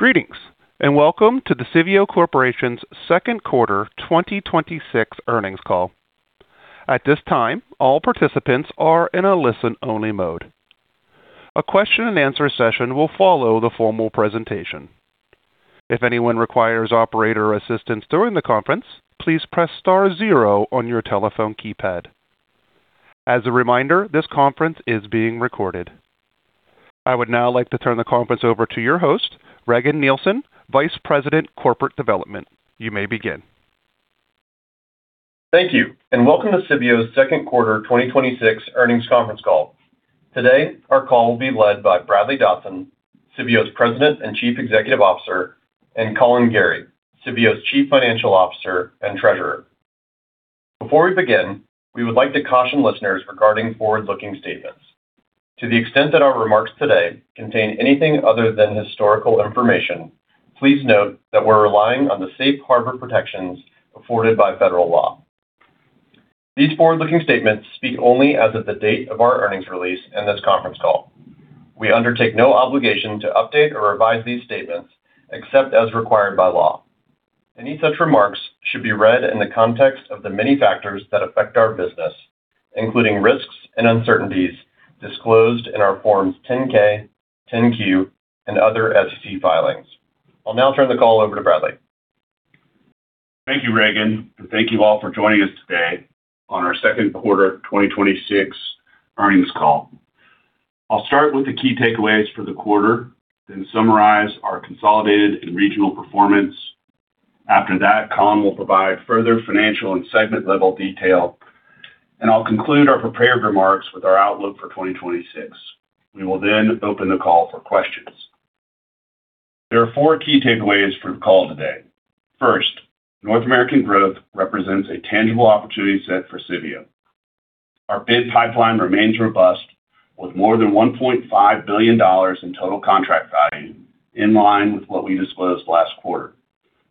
Greetings, welcome to the Civeo Corporation's second quarter 2026 earnings call. At this time, all participants are in a listen-only mode. A question and answer session will follow the formal presentation. If anyone requires operator assistance during the conference, please press star zero on your telephone keypad. As a reminder, this conference is being recorded. I would now like to turn the conference over to your host, Regan Nielsen, Vice President of Corporate Development. You may begin. Thank you, welcome to Civeo's second quarter 2026 earnings conference call. Today, our call will be led by Bradley Dodson, Civeo's President and Chief Executive Officer, and Collin Gerry, Civeo's Chief Financial Officer and Treasurer. Before we begin, we would like to caution listeners regarding forward-looking statements. To the extent that our remarks today contain anything other than historical information, please note that we're relying on the safe harbor protections afforded by federal law. These forward-looking statements speak only as of the date of our earnings release and this conference call. We undertake no obligation to update or revise these statements except as required by law. Any such remarks should be read in the context of the many factors that affect our business, including risks and uncertainties disclosed in our Forms 10-K, 10-Q, and other SEC filings. I'll now turn the call over to Bradley. Thank you, Regan, thank you all for joining us today on our second quarter 2026 earnings call. I'll start with the key takeaways for the quarter, then summarize our consolidated and regional performance. After that, Collin will provide further financial and segment-level detail, and I'll conclude our prepared remarks with our outlook for 2026. We will then open the call for questions. There are four key takeaways for the call today. First, North American growth represents a tangible opportunity set for Civeo. Our bid pipeline remains robust with more than $1.5 billion in total contract value, in line with what we disclosed last quarter.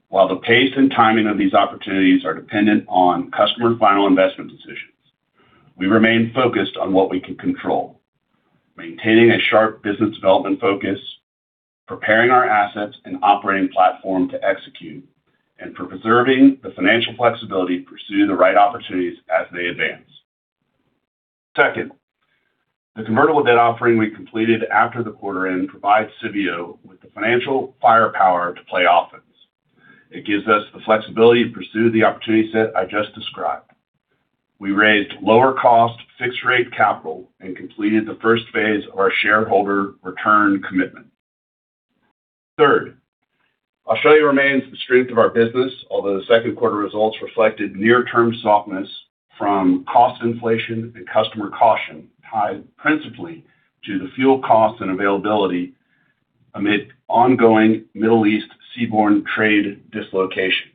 While the pace and timing of these opportunities are dependent on customer final investment decisions, we remain focused on what we can control: maintaining a sharp business development focus, preparing our assets and operating platform to execute, and preserving the financial flexibility to pursue the right opportunities as they advance. Second, the convertible debt offering we completed after the quarter end provides Civeo with the financial firepower to play offense. It gives us the flexibility to pursue the opportunity set I just described. We raised lower cost, fixed-rate capital and completed the first phase of our shareholder return commitment. Third, Australia remains the strength of our business, although the second quarter results reflected near-term softness from cost inflation and customer caution, tied principally to the fuel cost and availability amid ongoing Middle East seaborne trade dislocation.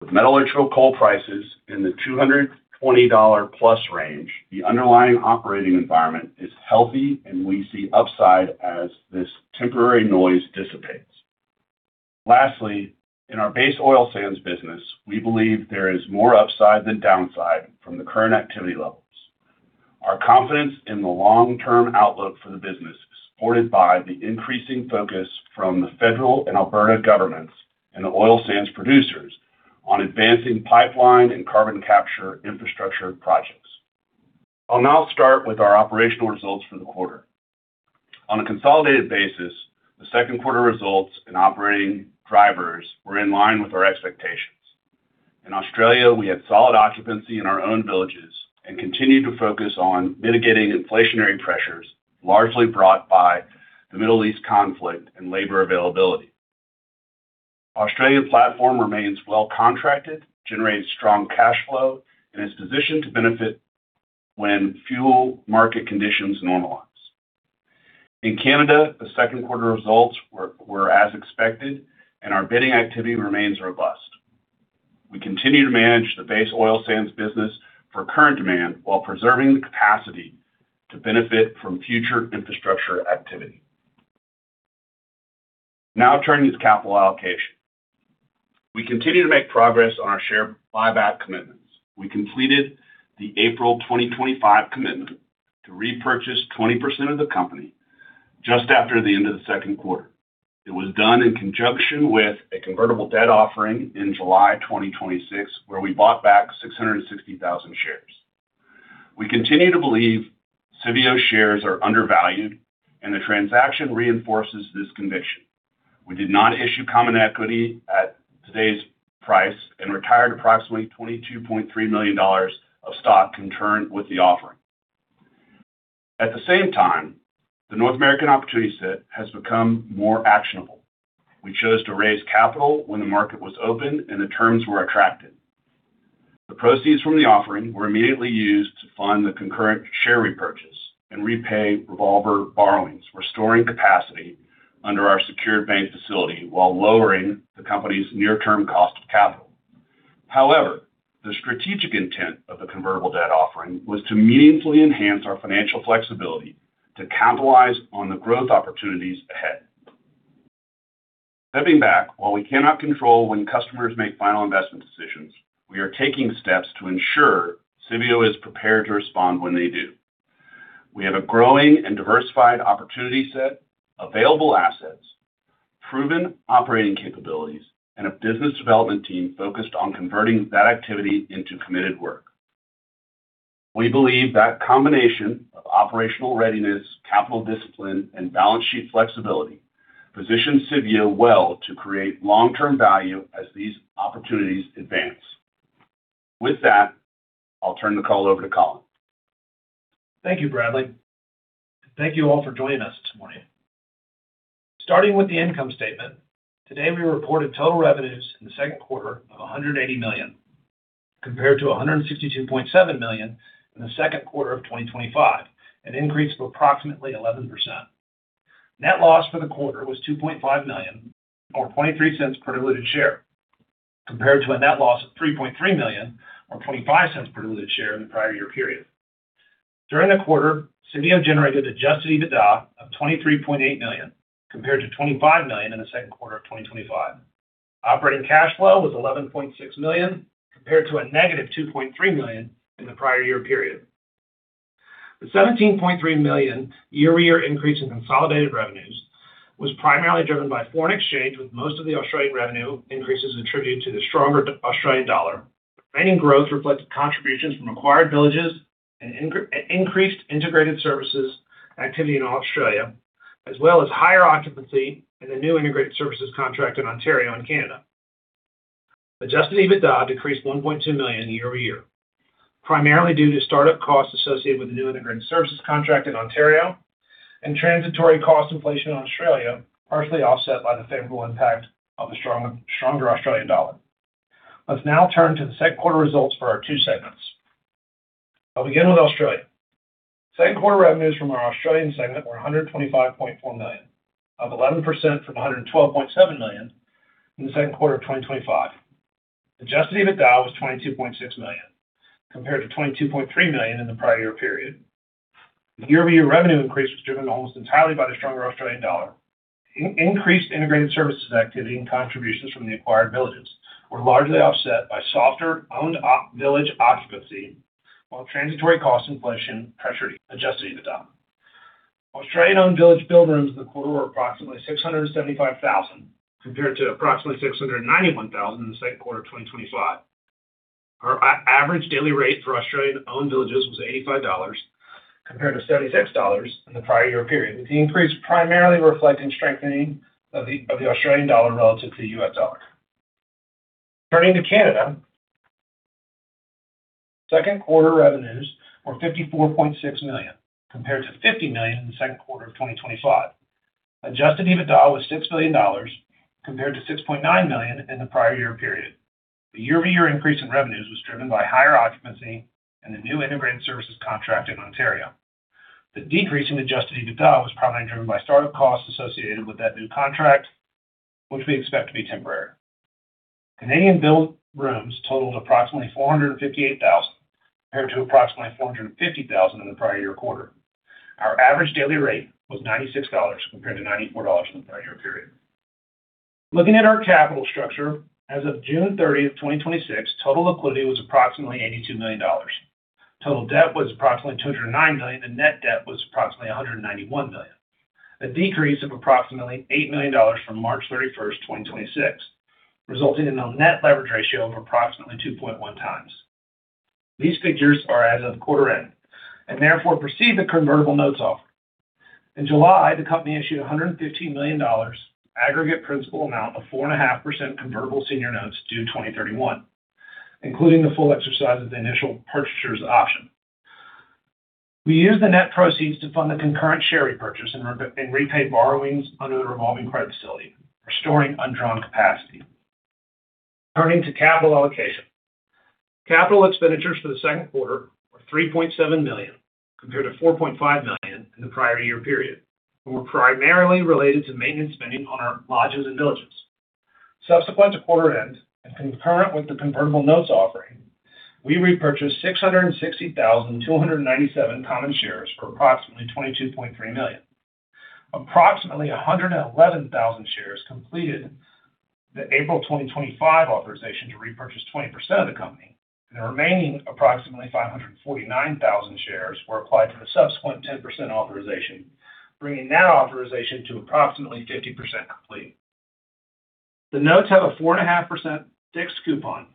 With met coal prices in the $220-plus range, the underlying operating environment is healthy. We see upside as this temporary noise dissipates. Lastly, in our base oil sands business, we believe there is more upside than downside from the current activity levels. Our confidence in the long-term outlook for the business is supported by the increasing focus from the federal and Alberta governments and the oil sands producers on advancing pipeline and carbon capture infrastructure projects. I'll now start with our operational results for the quarter. On a consolidated basis, the second quarter results and operating drivers were in line with our expectations. In Australia, we had solid occupancy in our own villages and continued to focus on mitigating inflationary pressures, largely brought by the Middle East conflict and labor availability. Australian platform remains well contracted, generates strong cash flow. It is positioned to benefit when fuel market conditions normalize. In Canada, the second quarter results were as expected. Our bidding activity remains robust. We continue to manage the base oil sands business for current demand while preserving the capacity to benefit from future infrastructure activity. Now turning to capital allocation. We continue to make progress on our share buyback commitments. We completed the April 2025 commitment to repurchase 20% of the company just after the end of the second quarter. It was done in conjunction with a convertible debt offering in July 2026, where we bought back 660,000 shares. We continue to believe Civeo shares are undervalued. The transaction reinforces this conviction. We did not issue common equity at today's price and retired approximately $22.3 million of stock concurrent with the offering. At the same time, the North American opportunity set has become more actionable. We chose to raise capital when the market was open and the terms were attractive. The proceeds from the offering were immediately used to fund the concurrent share repurchase and repay revolver borrowings, restoring capacity under our secured bank facility while lowering the company's near-term cost of capital. However, the strategic intent of the convertible debt offering was to meaningfully enhance our financial flexibility to capitalize on the growth opportunities ahead. Stepping back, while we cannot control when customers make final investment decisions, we are taking steps to ensure Civeo is prepared to respond when they do. We have a growing and diversified opportunity set, available assets, proven operating capabilities, and a business development team focused on converting that activity into committed work. We believe that combination of operational readiness, capital discipline, and balance sheet flexibility positions Civeo well to create long-term value as these opportunities advance. With that, I'll turn the call over to Collin. Thank you, Bradley. Thank you all for joining us this morning. Starting with the income statement, today we reported total revenues in the second quarter of $180 million, compared to $162.7 million in the second quarter of 2025, an increase of approximately 11%. Net loss for the quarter was $2.5 million, or $0.23 per diluted share, compared to a net loss of $3.3 million or $0.25 per diluted share in the prior year period. During the quarter, Civeo generated adjusted EBITDA of $23.8 million, compared to $25 million in the second quarter of 2025. Operating cash flow was $11.6 million, compared to a negative $2.3 million in the prior year period. The $17.3 million year-over-year increase in consolidated revenues was primarily driven by foreign exchange, with most of the Australian revenue increases attributed to the stronger AUD. Remaining growth reflected contributions from acquired villages and increased integrated services activity in Australia, as well as higher occupancy in the new integrated services contract in Ontario and Canada. Adjusted EBITDA decreased $1.2 million year-over-year, primarily due to start-up costs associated with the new integrated services contract in Ontario and transitory cost inflation in Australia, partially offset by the favorable impact of the stronger AUD. I'll begin with Australia. Second-quarter revenues from our Australian segment were $125.4 million, up 11% from $112.7 million in the second quarter of 2025. Adjusted EBITDA was $22.6 million, compared to $22.3 million in the prior year period. The year-over-year revenue increase was driven almost entirely by the stronger AUD. Increased integrated services activity and contributions from the acquired villages were largely offset by softer owned village occupancy, while transitory cost inflation pressured adjusted EBITDA. Australian owned village billed rooms in the quarter were approximately 675,000, compared to approximately 691,000 in the second quarter of 2025. Our average daily rate for Australian owned villages was 85 dollars, compared to 76 dollars in the prior year period, with the increase primarily reflecting strengthening of the AUD relative to the USD. Turning to Canada. Second quarter revenues were $54.6 million, compared to $50 million in the second quarter of 2025. Adjusted EBITDA was $6 million, compared to $6.9 million in the prior year period. The year-over-year increase in revenues was driven by higher occupancy and the new integrated services contract in Ontario. The decrease in adjusted EBITDA was primarily driven by start-up costs associated with that new contract, which we expect to be temporary. Canadian billed rooms totaled approximately 458,000, compared to approximately 450,000 in the prior year quarter. Our average daily rate was 96 dollars, compared to 94 dollars in the prior year period. Looking at our capital structure, as of June 30th, 2026, total liquidity was approximately $82 million. Total debt was approximately $209 million, and net debt was approximately $191 million. A decrease of approximately $8 million from March 31st, 2026, resulting in a net leverage ratio of approximately 2.1 times. These figures are as of quarter end and therefore precede the convertible notes offer. In July, the company issued $115 million aggregate principal amount of 4.5% convertible senior notes due 2031, including the full exercise of the initial purchaser's option. We used the net proceeds to fund the concurrent share repurchase and repay borrowings under the revolving credit facility, restoring undrawn capacity. Turning to capital allocation. Capital expenditures for the second quarter were $3.7 million, compared to $4.5 million in the prior year period, and were primarily related to maintenance spending on our lodges and villages. Subsequent to quarter end and concurrent with the convertible notes offering, we repurchased 660,297 common shares for approximately $22.3 million. Approximately 111,000 shares completed the April 2025 authorization to repurchase 20% of the company. The remaining approximately 549,000 shares were applied for the subsequent 10% authorization, bringing that authorization to approximately 50% complete. The notes have a 4.5% fixed coupon,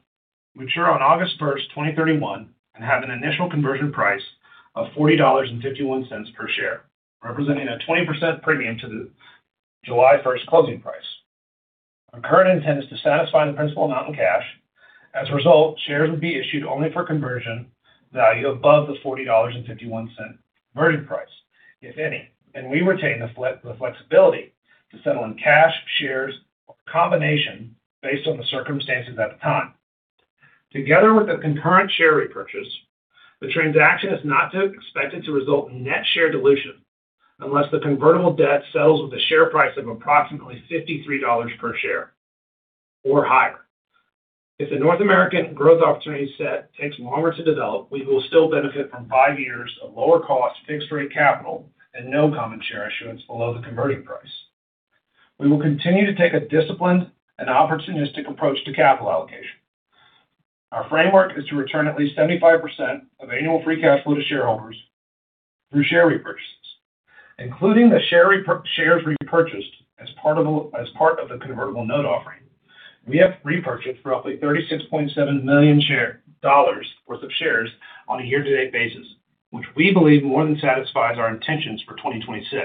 mature on August 1st, 2031, and have an initial conversion price of $40.51 per share, representing a 20% premium to the July 1st closing price. Our current intent is to satisfy the principal amount in cash. As a result, shares would be issued only for conversion value above the $40.51 conversion price, if any, and we retain the flexibility to settle in cash, shares, or combination based on the circumstances at the time. Together with the concurrent share repurchase, the transaction is not expected to result in net share dilution unless the convertible debt settles with a share price of approximately $53 per share or higher. If the North American growth opportunity set takes longer to develop, we will still benefit from five years of lower cost fixed-rate capital and no common share issuance below the converting price. We will continue to take a disciplined and opportunistic approach to capital allocation. Our framework is to return at least 75% of annual free cash flow to shareholders through share repurchases. Including the shares repurchased as part of the convertible note offering, we have repurchased roughly $36.7 million worth of shares on a year-to-date basis, which we believe more than satisfies our intentions for 2026.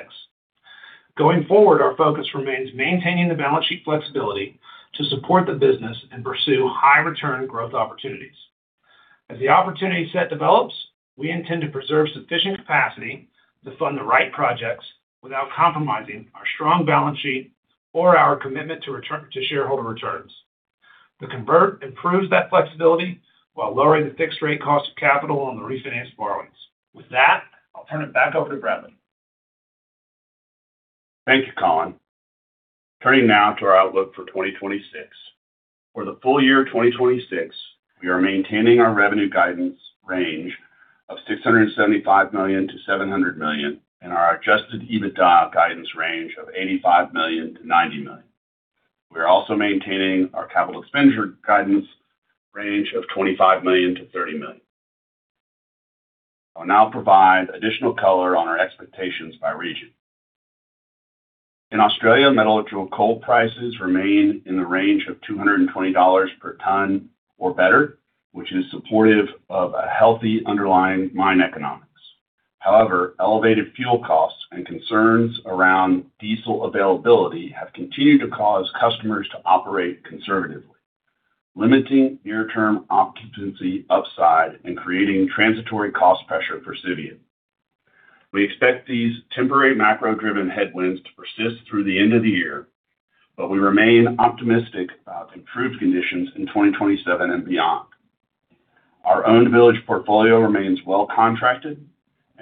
Going forward, our focus remains maintaining the balance sheet flexibility to support the business and pursue high-return growth opportunities. As the opportunity set develops, we intend to preserve sufficient capacity to fund the right projects without compromising our strong balance sheet or our commitment to shareholder returns. The convert improves that flexibility while lowering the fixed-rate cost of capital on the refinanced borrowings. With that, I'll turn it back over to Bradley. Thank you, Collin. Turning now to our outlook for 2026. For the full year of 2026, we are maintaining our revenue guidance range of $675 million-$700 million and our adjusted EBITDA guidance range of $85 million-$90 million. We are also maintaining our capital expenditure guidance range of $25 million-$30 million. I will now provide additional color on our expectations by region. In Australia, metallurgical coal prices remain in the range of $220 per ton or better, which is supportive of a healthy underlying mine economics. However, elevated fuel costs and concerns around diesel availability have continued to cause customers to operate conservatively, limiting near-term occupancy upside and creating transitory cost pressure for Civeo. We expect these temporary macro-driven headwinds to persist through the end of the year, but we remain optimistic about improved conditions in 2027 and beyond. Our owned village portfolio remains well-contracted.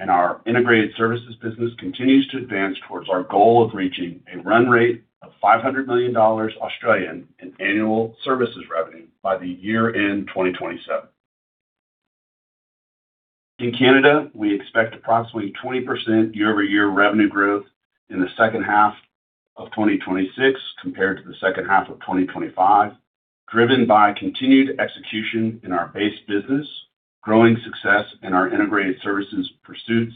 Our integrated services business continues to advance towards our goal of reaching a run rate of 500 million Australian dollars in annual services revenue by the year-end 2027. In Canada, we expect approximately 20% year-over-year revenue growth in the second half of 2026 compared to the second half of 2025, driven by continued execution in our base business, growing success in our integrated services pursuits,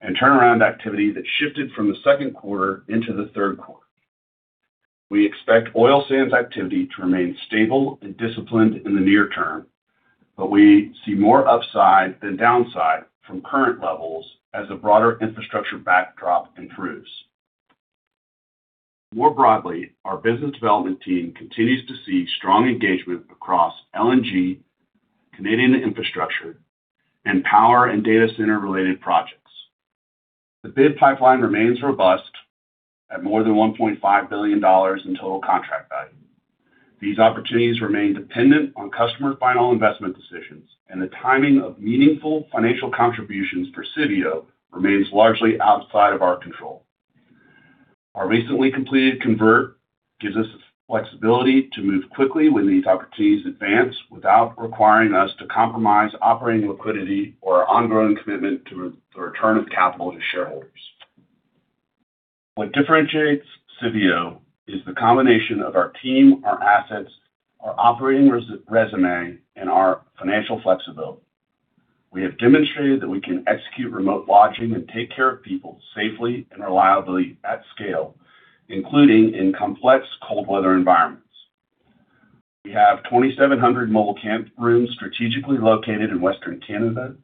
and turnaround activity that shifted from the second quarter into the third quarter. We expect oil sands activity to remain stable and disciplined in the near term, but we see more upside than downside from current levels as the broader infrastructure backdrop improves. More broadly, our business development team continues to see strong engagement across LNG, Canadian infrastructure, and power and data center-related projects. The bid pipeline remains robust at more than $1.5 billion in total contract value. These opportunities remain dependent on customer final investment decisions. The timing of meaningful financial contributions for Civeo remains largely outside of our control. Our recently completed convert gives us the flexibility to move quickly when these opportunities advance without requiring us to compromise operating liquidity or our ongoing commitment to the return of capital to shareholders. What differentiates Civeo is the combination of our team, our assets, our operating resume, and our financial flexibility. We have demonstrated that we can execute remote lodging and take care of people safely and reliably at scale, including in complex cold weather environments. We have 2,700 mobile camp rooms strategically located in Western Canada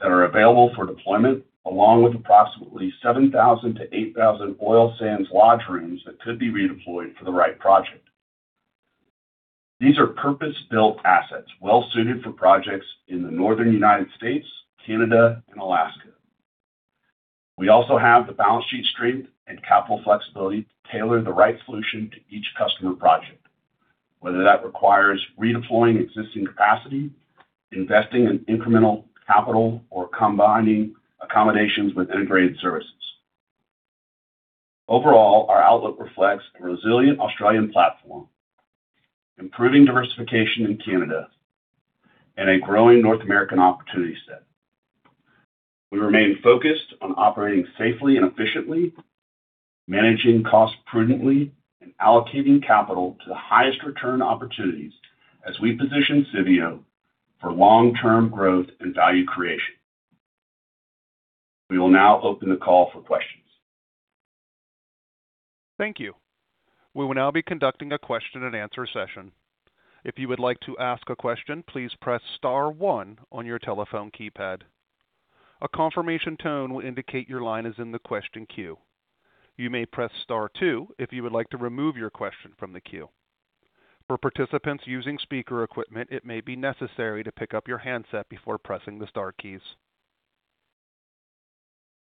that are available for deployment, along with approximately 7,000 to 8,000 oil sands lodge rooms that could be redeployed for the right project. These are purpose-built assets well-suited for projects in the Northern U.S., Canada, and Alaska. We also have the balance sheet strength and capital flexibility to tailor the right solution to each customer project, whether that requires redeploying existing capacity, investing in incremental capital, or combining accommodations with integrated services. Overall, our outlook reflects a resilient Australian platform, improving diversification in Canada, and a growing North American opportunity set. We remain focused on operating safely and efficiently, managing costs prudently, and allocating capital to the highest return opportunities as we position Civeo for long-term growth and value creation. We will now open the call for questions. Thank you. We will now be conducting a question and answer session. If you would like to ask a question, please press star one on your telephone keypad. A confirmation tone will indicate your line is in the question queue. You may press star two if you would like to remove your question from the queue. For participants using speaker equipment, it may be necessary to pick up your handset before pressing the star keys.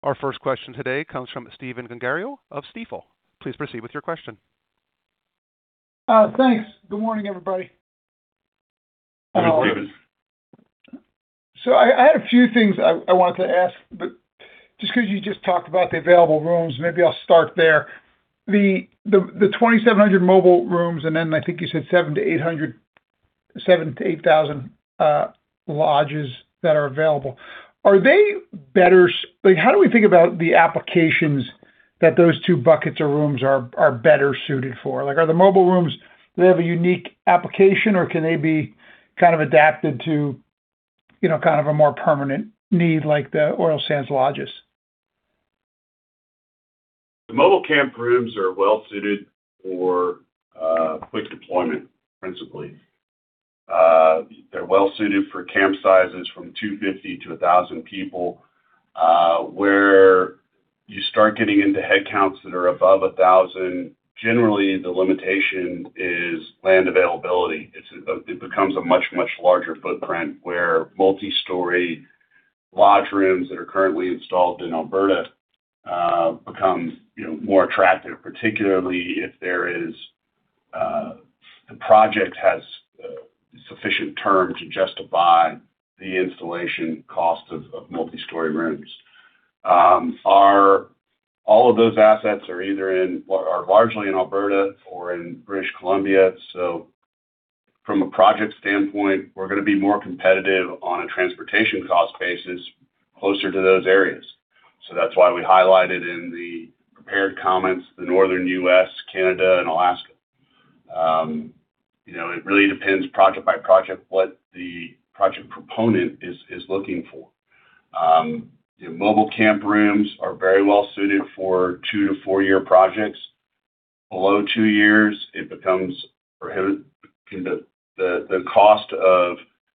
Our first question today comes from Stephen Gengaro of Stifel. Please proceed with your question. Thanks. Good morning, everybody. Good morning. I had a few things I wanted to ask, but just because you just talked about the available rooms, maybe I'll start there. The 2,700 mobile rooms, and then I think you said 7,000-8,000 lodges that are available. How do we think about the applications that those two buckets of rooms are better suited for? Are the mobile rooms, do they have a unique application, or can they be kind of adapted to a more permanent need like the oil sands lodges? The mobile camp rooms are well-suited for quick deployment, principally. They're well-suited for camp sizes from 250-1,000 people. Where you start getting into headcounts that are above 1,000, generally the limitation is land availability. It becomes a much, much larger footprint where multi-story lodge rooms that are currently installed in Alberta become more attractive, particularly if the project has sufficient term to justify the installation cost of multi-story rooms. All of those assets are either in, or are largely in Alberta or in British Columbia. From a project standpoint, we're going to be more competitive on a transportation cost basis closer to those areas. That's why we highlighted in the prepared comments, the Northern US, Canada, and Alaska. It really depends project by project what the project proponent is looking for. The mobile camp rooms are very well suited for 2-4-year projects. Below two years, the cost of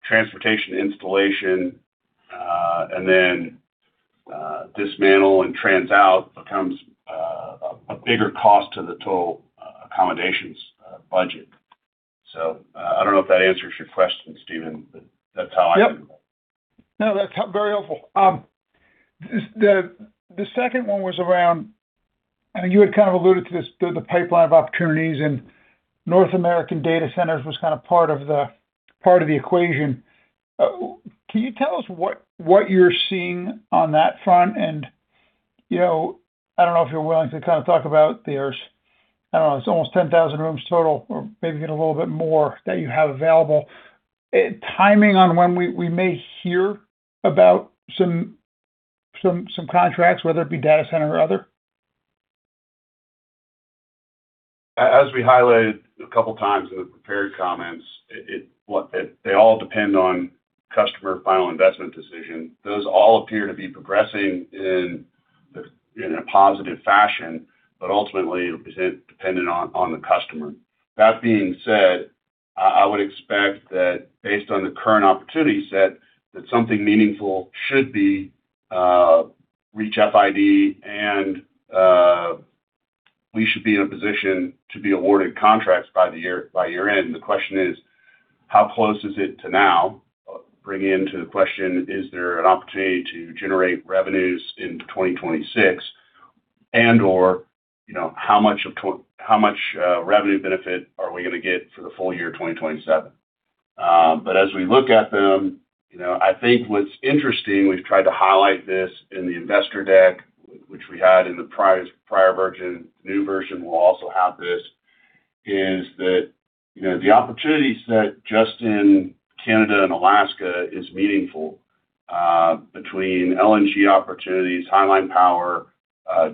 transportation installation, and then dismantle and trans out becomes a bigger cost to the total accommodations budget. I don't know if that answers your question, Stephen. Yep. No, that's very helpful. The second one was around, you had kind of alluded to this through the pipeline of opportunities and North American data centers was kind of part of the equation. Can you tell us what you're seeing on that front? I don't know if you're willing to kind of talk about there's, I don't know, it's almost 10,000 rooms total or maybe get a little bit more that you have available. Timing on when we may hear about some contracts, whether it be data center or other? As we highlighted a couple of times in the prepared comments, they all depend on customer final investment decision. Those all appear to be progressing in a positive fashion, but ultimately, it'll be dependent on the customer. That being said, I would expect that based on the current opportunity set, that something meaningful should be reach FID and we should be in a position to be awarded contracts by year-end. The question is, how close is it to now? Bring into the question, is there an opportunity to generate revenues into 2026 and/or how much revenue benefit are we going to get for the full year 2027? As we look at them, I think what's interesting, we've tried to highlight this in the investor deck, which we had in the prior version. The new version will also have this, is that the opportunity set just in Canada and Alaska is meaningful, between LNG opportunities, timeline power,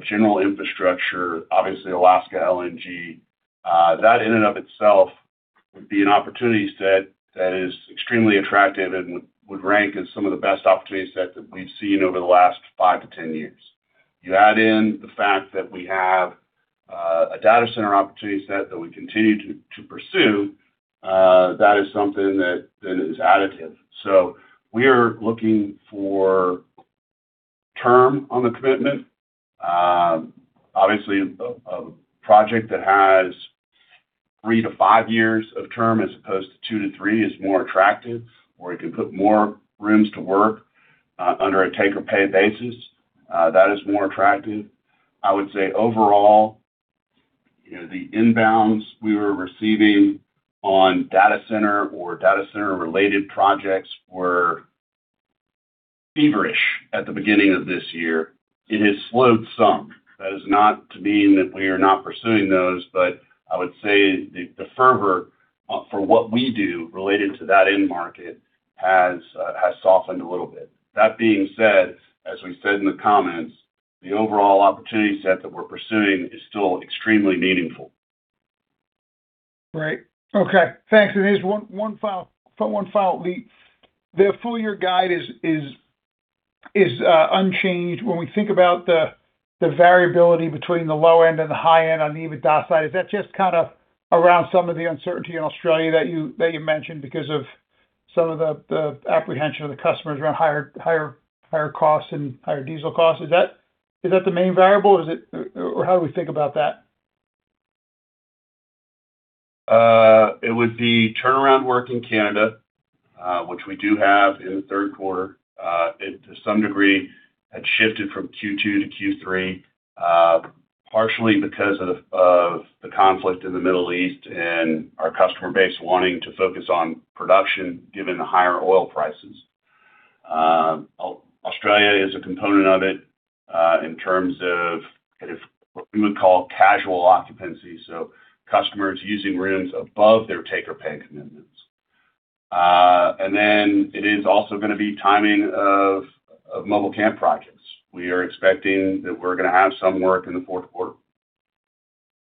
general infrastructure, obviously Alaska LNG. That in and of itself would be an opportunity set that is extremely attractive and would rank as some of the best opportunity sets that we've seen over the last 5-10 years. You add in the fact that we have a data center opportunity set that we continue to pursue, that is something that then is additive. We are looking for term on the commitment. Obviously, a project that has 3-5 years of term as opposed to 2-3 is more attractive, or you can put more rooms to work under a take-or-pay basis. That is more attractive. I would say overall, the inbounds we were receiving on data center or data center-related projects were feverish at the beginning of this year. It has slowed some. That is not to mean that we are not pursuing those, but I would say the fervor for what we do related to that end market has softened a little bit. That being said, as we said in the comments, the overall opportunity set that we're pursuing is still extremely meaningful. Right. Okay, thanks. Just one final. The full-year guide is unchanged. When we think about the variability between the low end and the high end on the EBITDA side, is that just kind of around some of the uncertainty in Australia that you mentioned because of some of the apprehension of the customers around higher costs and higher diesel costs? Is that the main variable? How do we think about that? It would be turnaround work in Canada, which we do have in the third quarter. To some degree, had shifted from Q2 to Q3, partially because of the conflict in the Middle East and our customer base wanting to focus on production given the higher oil prices. Australia is a component of it, in terms of what we would call casual occupancy, so customers using rooms above their take-or-pay commitments. It is also going to be timing of mobile camp projects. We are expecting that we're going to have some work in the fourth quarter.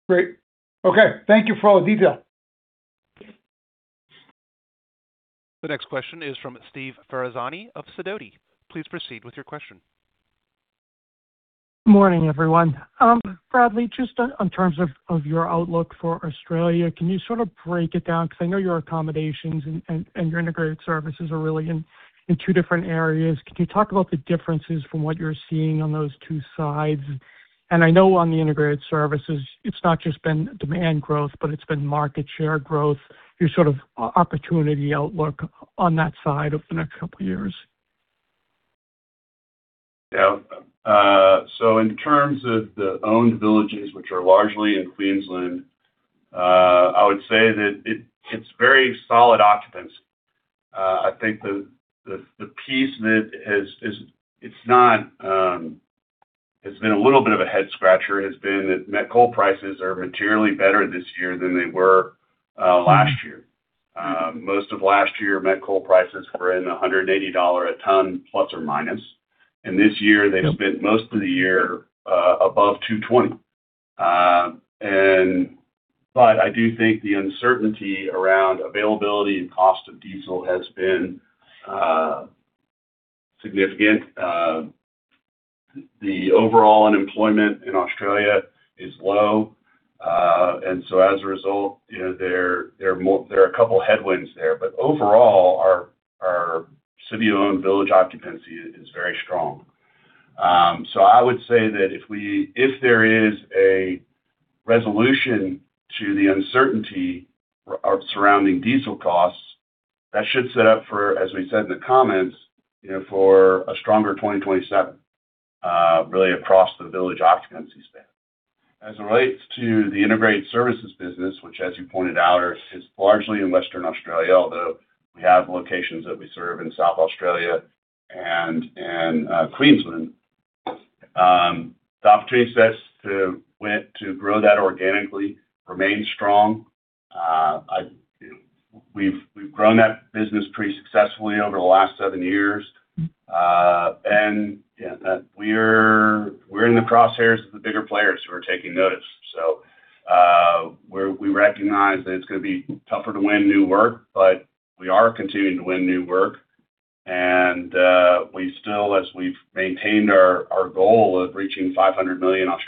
Great. Okay. Thank you for all the detail. The next question is from Steve Ferazani of Sidoti. Please proceed with your question. Morning, everyone. Bradley, just on terms of your outlook for Australia, can you sort of break it down? I know your accommodations and your integrated services are really in two different areas. Can you talk about the differences from what you're seeing on those two sides? I know on the integrated services, it's not just been demand growth, but it's been market share growth. Your sort of opportunity outlook on that side over the next couple of years. In terms of the owned villages, which are largely in Queensland, I would say that it's very solid occupancy. I think the piece that has been a little bit of a head scratcher has been that met coal prices are materially better this year than they were last year. Most of last year, met coal prices were in $180 a ton plus or minus, and this year they've spent most of the year above $220. I do think the uncertainty around availability and cost of diesel has been significant. The overall unemployment in Australia is low. As a result, there are a couple of headwinds there. Overall, our Civeo-owned village occupancy is very strong. I would say that if there is a resolution to the uncertainty surrounding diesel costs, that should set up for, as we said in the comments, for a stronger 2027, really across the village occupancy span. As it relates to the integrated services business, which as you pointed out, is largely in Western Australia, although we have locations that we serve in South Australia and in Queensland. The opportunity sets to grow that organically remain strong. We've grown that business pretty successfully over the last seven years, we're in the crosshairs of the bigger players who are taking notice. We recognize that it's going to be tougher to win new work, but we are continuing to win new work. We still, as we've maintained our goal of reaching 500 million of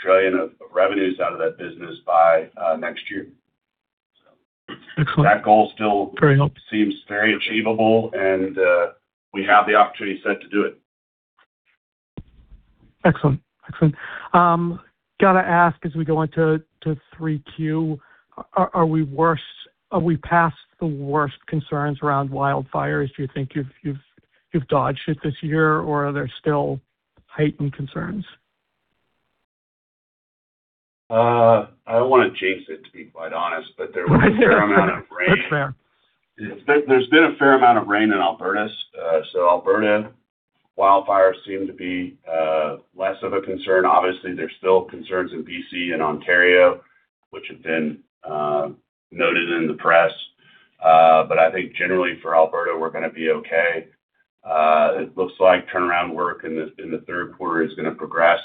revenues out of that business by next year. Excellent. That goal. Very helpful. seems very achievable and we have the opportunity set to do it. Excellent. Got to ask, as we go into 3Q, are we past the worst concerns around wildfires? Do you think you've dodged it this year or are there still heightened concerns? I don't want to jinx it, to be quite honest, but there was a fair amount of rain. That's fair. There's been a fair amount of rain in Alberta, so Alberta wildfires seem to be less of a concern. Obviously, there's still concerns in B.C. and Ontario, which have been noted in the press. I think generally for Alberta, we're going to be okay. It looks like turnaround work in the third quarter is going to progress.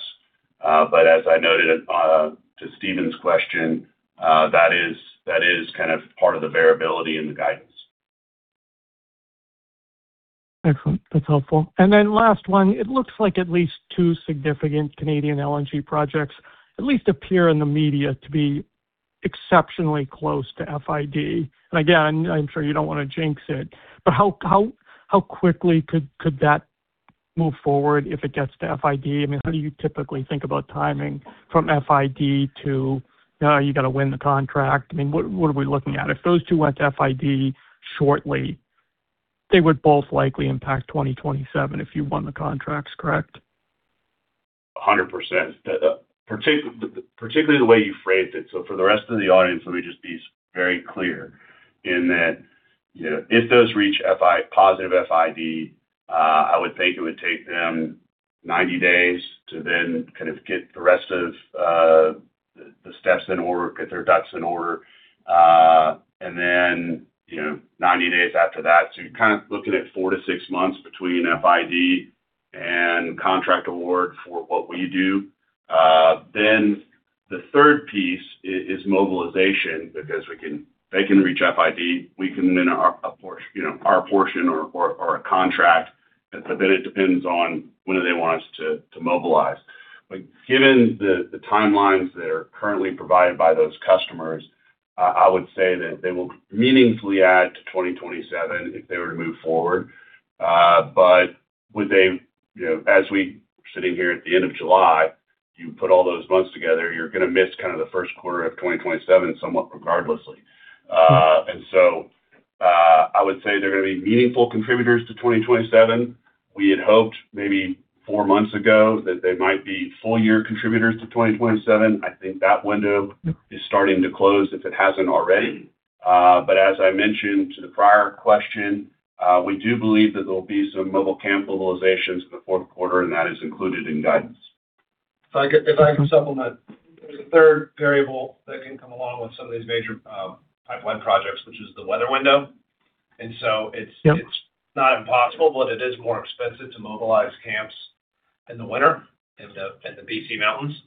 As I noted to Stephen's question, that is kind of part of the variability in the guidance. Excellent. That's helpful. Then last one, it looks like at least two significant Canadian LNG projects at least appear in the media to be exceptionally close to FID. Again, I'm sure you don't want to jinx it, but how quickly could that move forward if it gets to FID? How do you typically think about timing from FID to you got to win the contract? What are we looking at? If those two went to FID shortly, they would both likely impact 2027 if you won the contracts, correct? 100%, particularly the way you phrased it. For the rest of the audience, let me just be very clear in that if those reach positive FID, I would think it would take them 90 days to then kind of get the rest of the steps in order, get their ducks in order, and then 90 days after that. You're kind of looking at four to six months between FID and contract award for what we do. The third piece is mobilization, because they can reach FID, we can win our portion or a contract, but then it depends on when do they want us to mobilize. Given the timelines that are currently provided by those customers, I would say that they will meaningfully add to 2027 if they were to move forward. As we're sitting here at the end of July, you put all those months together, you're going to miss the first quarter of 2027 somewhat regardless. I would say they're going to be meaningful contributors to 2027. We had hoped maybe four months ago that they might be full year contributors to 2027. I think that window is starting to close, if it hasn't already. As I mentioned to the prior question, we do believe that there will be some mobile camp mobilizations in the fourth quarter, and that is included in guidance. If I could supplement, there's a third variable that can come along with some of these major pipeline projects, which is the weather window. It's- Yep it's not impossible, but it is more expensive to mobilize camps in the winter in the BC mountains.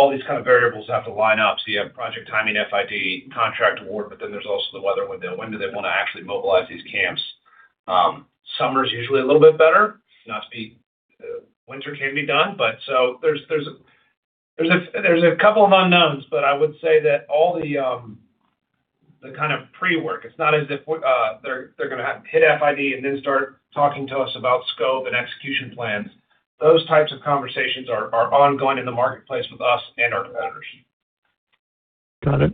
All these kind of variables have to line up. You have project timing, FID, contract award, but then there's also the weather window. When do they want to actually mobilize these camps? Summer is usually a little bit better. Winter can be done, but there's a couple of unknowns. I would say that all the pre-work, it's not as if they're going to hit FID and then start talking to us about scope and execution plans. Those types of conversations are ongoing in the marketplace with us and our competitors. Got it.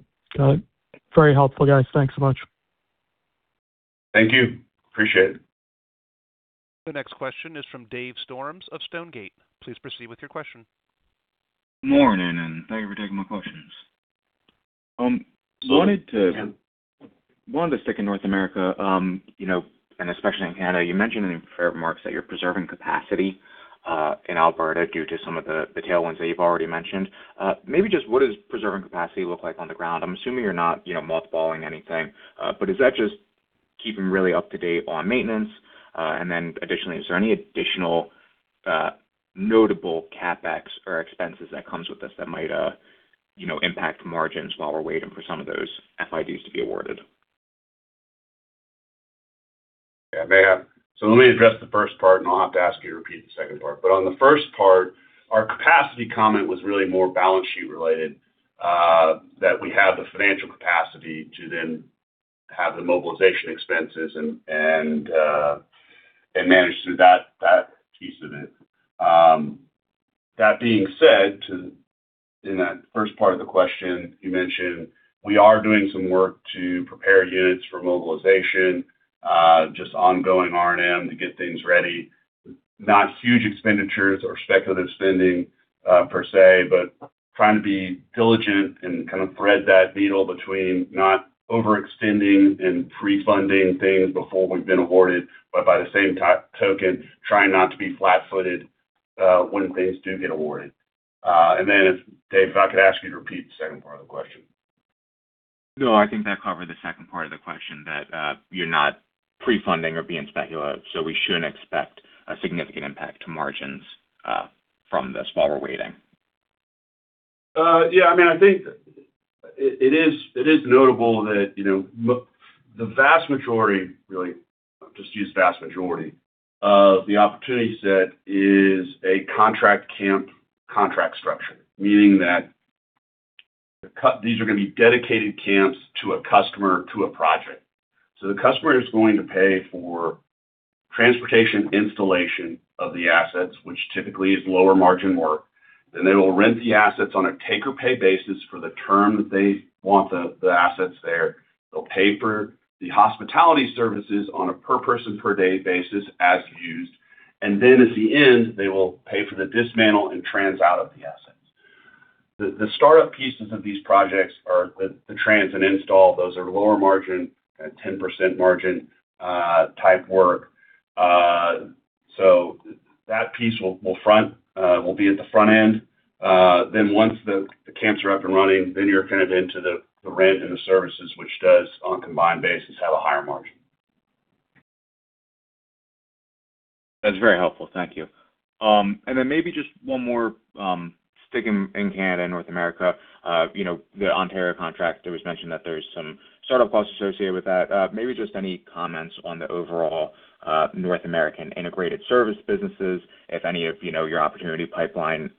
Very helpful, guys. Thanks so much. Thank you. Appreciate it. The next question is from Dave Storms of Stonegate. Please proceed with your question. Morning, and thank you for taking my questions. Wanted to stick in North America, and especially in Canada. You mentioned in your remarks that you're preserving capacity, in Alberta, due to some of the tailwinds that you've already mentioned. Maybe just what does preserving capacity look like on the ground? I'm assuming you're not mothballing anything. Is that just keeping really up to date on maintenance? Additionally, is there any additional notable CapEx or expenses that comes with this that might impact margins while we're waiting for some of those FIDs to be awarded? Let me address the first part, and I'll have to ask you to repeat the second part. On the first part, our capacity comment was really more balance sheet related, that we have the financial capacity to then have the mobilization expenses and manage through that piece of it. That being said to, in that first part of the question you mentioned, we are doing some work to prepare units for mobilization, just ongoing R&M to get things ready. Not huge expenditures or speculative spending per se, but trying to be diligent and kind of thread that needle between not overextending and pre-funding things before we've been awarded, but by the same token, trying not to be flat-footed when things do get awarded. If, Dave, if I could ask you to repeat the second part of the question. I think that covered the second part of the question, that you're not pre-funding or being speculative. We shouldn't expect a significant impact to margins from this while we're waiting. I think it is notable that the vast majority of the opportunity set is a contract camp contract structure, meaning that these are going to be dedicated camps to a customer, to a project. The customer is going to pay for transportation and installation of the assets, which typically is lower margin work. They will rent the assets on a take-or-pay basis for the term that they want the assets there. They'll pay for the hospitality services on a per person per day basis as used. At the end, they will pay for the dismantle and trans out of the assets. The startup pieces of these projects are the transportation and installation. Those are lower margin, 10% margin type work. That piece will be at the front end. Once the camps are up and running, then you're kind of into the rent and the services, which does, on a combined basis, have a higher margin. That's very helpful. Thank you. Maybe just one more, sticking in Canada and North America. The Ontario contract, it was mentioned that there's some startup costs associated with that. Maybe just any comments on the overall North American integrated service businesses, if any of your opportunity pipeline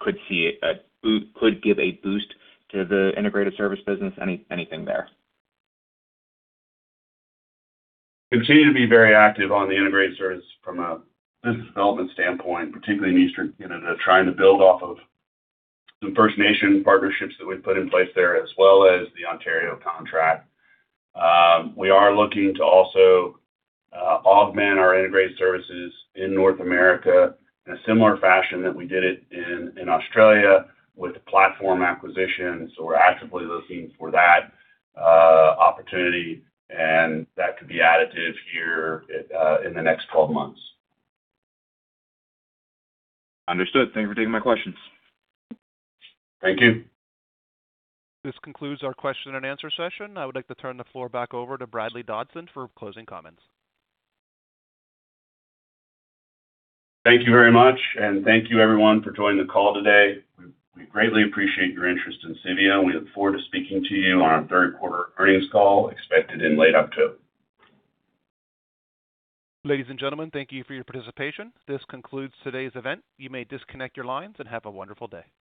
could give a boost to the integrated service business, anything there? Continue to be very active on the integrated service from a business development standpoint, particularly in Eastern Canada, trying to build off of some First Nations partnerships that we've put in place there, as well as the Ontario contract. We are looking to also augment our integrated services in North America in a similar fashion that we did it in Australia with platform acquisitions, so we're actively looking for that opportunity and that could be additive here in the next 12 months. Understood. Thank you for taking my questions. Thank you. This concludes our question and answer session. I would like to turn the floor back over to Bradley Dodson for closing comments. Thank you very much, and thank you everyone for joining the call today. We greatly appreciate your interest in Civeo, and we look forward to speaking to you on our third quarter earnings call, expected in late October. Ladies and gentlemen, thank you for your participation. This concludes today's event. You may disconnect your lines and have a wonderful day.